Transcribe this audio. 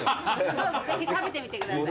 どうぞぜひ食べてみてください。